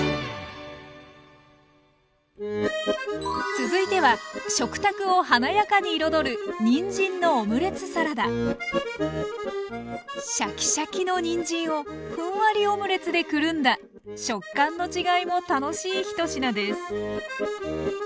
続いては食卓を華やかに彩るシャキシャキのにんじんをふんわりオムレツでくるんだ食感の違いも楽しい１品です。